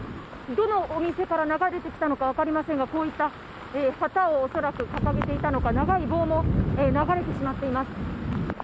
どのお店か流れてきたのか分かりませんが、恐らく旗を掲げていたのか長い棒も流れてしまっています。